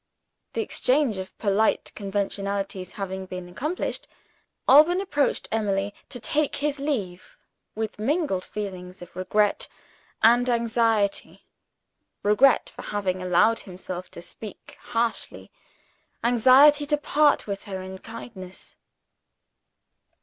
The exchange of polite conventionalities having been accomplished, Alban approached Emily to take his leave, with mingled feelings of regret and anxiety regret for having allowed himself to speak harshly; anxiety to part with her in kindness.